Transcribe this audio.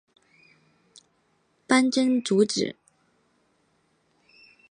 潘珍族子。